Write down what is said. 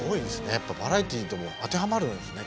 やっぱバラエティーとも当てはまるんですね